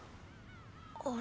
あれ？